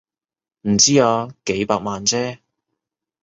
唔知啊，幾百萬啫